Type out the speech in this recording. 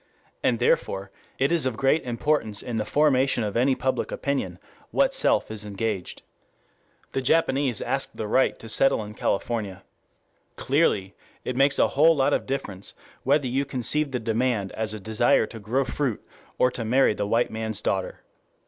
And therefore it is of great importance in the formation of any public opinion, what self is engaged. The Japanese ask the right to settle in California. Clearly it makes a whole lot of difference whether you conceive the demand as a desire to grow fruit or to marry the white man's daughter.